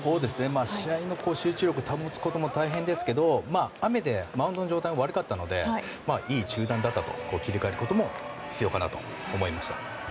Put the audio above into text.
試合の集中力を保つことも大変ですけど雨でマウンドの状態も悪かったのでいい中断だったと切り替えることも必要かなと思いました。